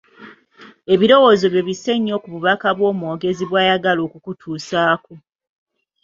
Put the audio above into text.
Ebirowoozo byo bisse nnyo ku bubaka omwogezi bw’ayagala okukutuusaako.